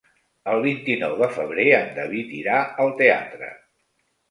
El vint-i-nou de febrer en David irà al teatre.